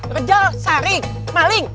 rejal saring maling